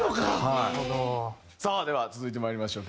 さあでは続いて参りましょう。